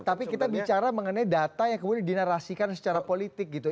tapi kita bicara mengenai data yang kemudian dinarasikan secara politik gitu